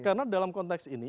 karena dalam konteks ini